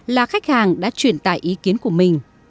là khách hàng đã truyền tải ý kiến của mình